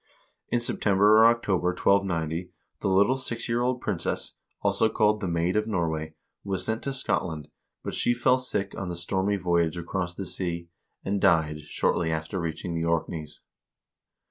In September or October, 1290, the little six year old princess, also called the Maid of Norway, was sent to Scotland, but she fell sick on the stormy voyage across the sea, and died shortly after reaching the Orkneys.